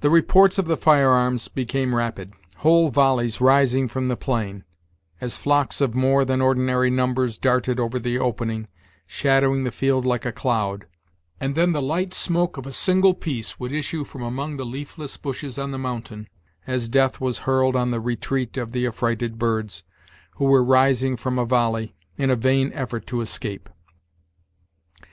The reports of the firearms became rapid, whole volleys rising from the plain, as flocks of more than ordinary numbers darted over the opening, shadowing the field like a cloud; and then the light smoke of a single piece would issue from among the leafless bushes on the mountain, as death was hurled on the retreat of the affrighted birds, who were rising from a volley, in a vain effort to escape.